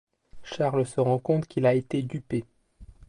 Charles se rend compte qu’il a été dupé.